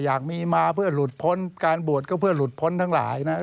อยากมีมาเพื่อหลุดพ้นการบวชก็เพื่อหลุดพ้นทั้งหลายนะ